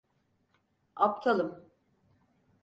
Aptalım.